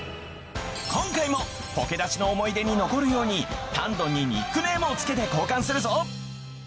今回もポケだちの思い出に残るようにタンドンにニックネームをつけて交換するぞ！